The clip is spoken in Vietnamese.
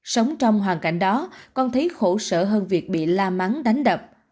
sống trong hoàn cảnh đó con thấy khổ sở hơn việc bị la mắng đánh đập